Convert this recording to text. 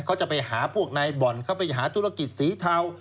เขาจะไปหาพวกนายบ่อนสีเทา